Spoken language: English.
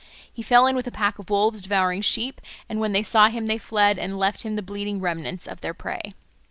He fell in with a pack of wolves devouring sheep, and when they saw him they fled and left him the bleeding remnants of their prey.